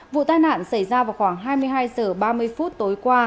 vụ tai nạn xảy ra vào khoảng hai mươi hai h ba mươi phút tối qua